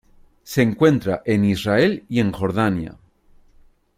Se encuentra en Israel y en Jordania.